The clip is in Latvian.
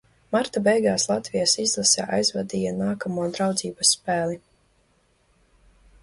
Marta beigās Latvijas izlase aizvadīja nākamo draudzības spēli.